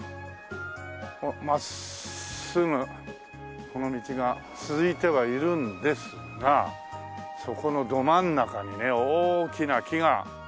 真っすぐこの道が続いてはいるんですがそこのど真ん中にね大きな木が。